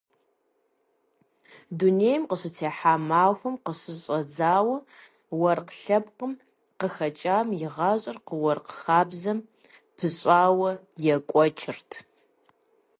Дунейм къыщытехьа махуэм къыщыщӏэдзауэ уэркъ лъэпкъым къыхэкӏам и гъащӏэр уэркъ хабзэм пыщӏауэ екӏуэкӏырт.